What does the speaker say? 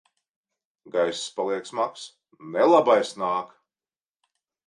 Gaiss paliek smags. Nelabais nāk!